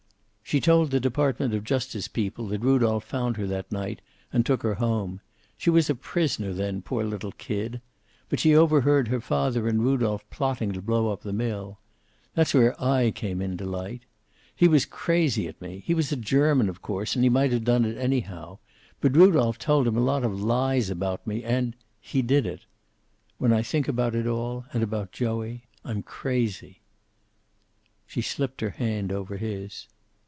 "She told the Department of Justice people that Rudolph found her that night, and, took her home. She was a prisoner then, poor little kid. But she overheard her father and Rudolph plotting to blow up the mill. That's where I came in, Delight. He was crazy at me. He was a German, of course, and he might have done it anyhow. But Rudolph told him a lot of lies about me, and he did it. When I think about it all, and about Joey, I'm crazy." She slipped her hand over his.